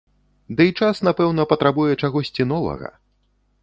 Дый час, напэўна, патрабуе чагосьці новага.